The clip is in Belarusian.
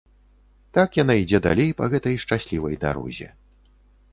Так яна ідзе далей па гэтай шчаслівай дарозе.